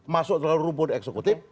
masuk dalam rumpun eksekutif